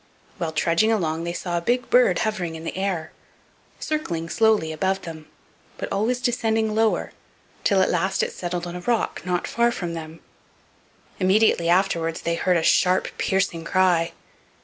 While trudging along they saw a big bird hovering in the air, circling slowly above them, but always descending lower, till at last it settled on a rock not far from them. Immediately afterward they heard a sharp, piercing cry.